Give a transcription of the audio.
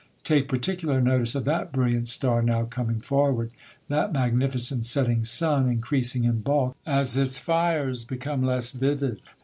Take particular notice of that brilliant star now coming forward ; that magnificent setting sun, increasing in bulk as its fires become less vivid.